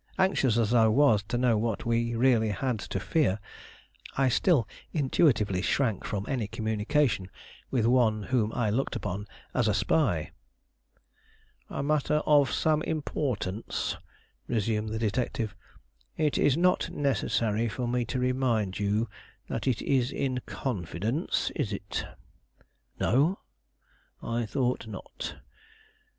Anxious as I was to know what we really had to fear, I still intuitively shrank from any communication with one whom I looked upon as a spy. "A matter of some importance," resumed the detective. "It is not necessary for me to remind you that it is in confidence, is it?" "No." "I thought not.